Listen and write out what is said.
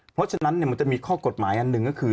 เพราะฉะนั้นมันจะมีข้อกฎหมายอันหนึ่งก็คือ